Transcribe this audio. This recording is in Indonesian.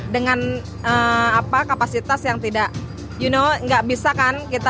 dengan kapasitas yang tidak you know nggak bisa kan kita